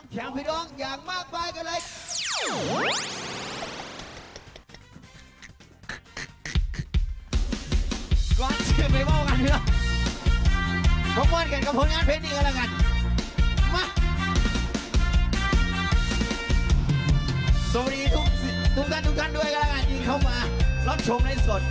สวัสดีทุกท่านทุกท่านด้วยกระดาษนี้เข้ามารับชมให้สด